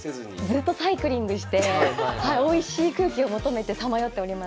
ずっとサイクリングしておいしい空気を求めてさまよっております。